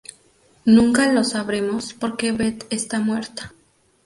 Nunca lo sabremos, porque Beth está muerta".